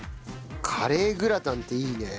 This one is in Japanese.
カレーグラタンっていいね。